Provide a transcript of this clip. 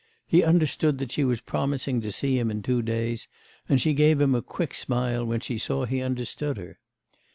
He understood that she was promising to see him in two days, and she gave him a quick smile when she saw he understood her.